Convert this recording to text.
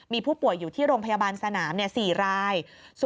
มีผู้ป่วยอยู่ที่โรงพยาบาลสนาม๔ราย